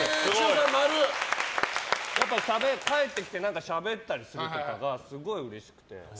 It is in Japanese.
やっぱり帰ってきてしゃべったりするのがすごいうれしくて。